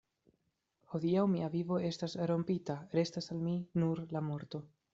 Hodiaŭ mia vivo estas rompita; restas al mi nur la morto.